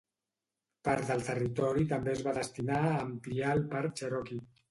Part del territori també es va destinar a ampliar el Parc Cherokee.